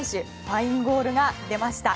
ファインゴールが出ました。